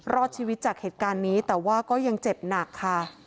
รอดชีวิตจากเหตุการณ์นี้แต่ว่าก็ยังเจ็บหนักค่ะ